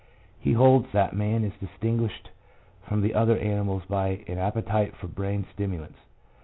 He holds that man is distinguished from the other animals by an appetite for brain stimulants.